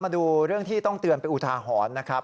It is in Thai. มาดูเรื่องที่ต้องเตือนไปอุทาหรณ์นะครับ